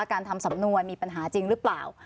การทำสำนวนมีปัญหาจริงหรือเปล่า